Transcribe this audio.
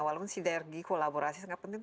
walaupun sinergi kolaborasi sangat penting